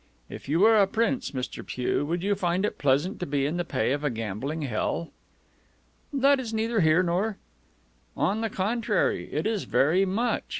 "If you were a prince, Mr. Pugh, would you find it pleasant to be in the pay of a gambling hell?" "That is neither here nor " "On the contrary, it is, very much.